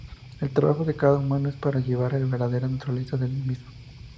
El trabajo de cada humano es para llenar la verdadera naturaleza del mismo".